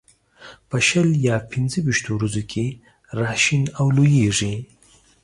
په شل یا پنځه ويشتو ورځو کې را شین او لوېږي.